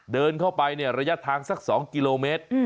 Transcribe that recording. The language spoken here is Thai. เดินเข้าไปในระยะทางสัก๒กิโลเมตร